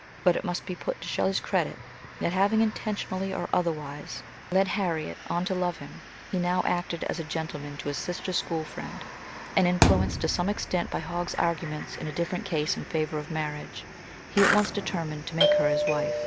But it must be put to Shelley's credit that, having intentionally or other wise led Harriet on to love him, he now acted as a gentleman to his sister's school friend, and, influenced to some extent by Hogg's arguments in a different case in favour of marriage, he at once determined to make her his wife.